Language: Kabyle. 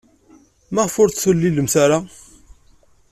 Maɣef ur t-tulilemt ara?